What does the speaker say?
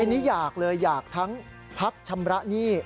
ทีนี้อยากเลยอยากทั้งพักชำระหนี้